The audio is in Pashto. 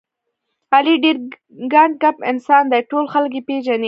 علي ډېر ګنډ کپ انسان دی، ټول خلک یې پېژني.